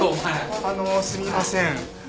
あのすみません。